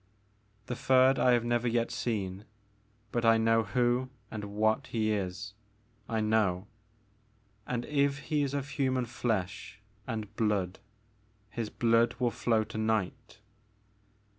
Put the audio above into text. "The third I have never yet seen. But I know who and what he is, — I know ; and if he is of human flesh and blood, his blood will flow to night."